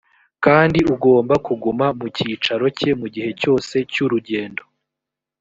kandi agomba kuguma mu cyicaro cye mu gihe cyose cy urugendo